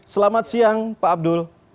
selamat siang pak abdul